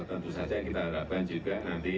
tentu saja kita harapkan juga nanti